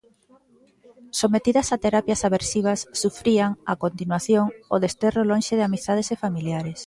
Sometidas a terapias aversivas, sufrían a continuación o desterro lonxe de amizades e familiares.